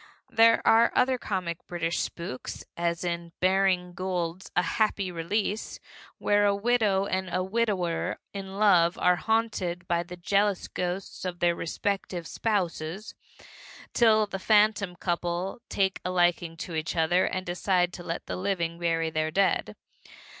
There are other comic British spooks, as in Baring Gould's A Happy Release, where a widow and a widower in love are haunted by the jealous ghosts of their respective spouses, till the phantom couple take a liking to each other and decide to let the living bury their dead.